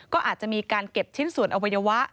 ก็อาจจะมีการเก็บชิ้นส่วนอวัยวะ